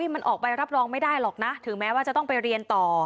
มันออกใบรับรองไม่ได้หรอกนะถึงแม้ว่าจะต้องไปเรียนต่อ